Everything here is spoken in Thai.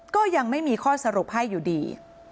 ก็ยังไม่มีข้อสรุปให้อยู่ดี